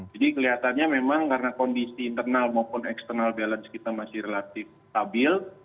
jadi kelihatannya memang karena kondisi internal maupun external balance kita masih relatif stabil